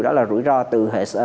đó là rủi ro từ